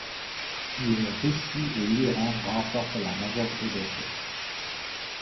Le Russie et l'Iran remporte la majorité des titres.